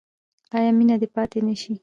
آیا مینه دې پاتې نشي؟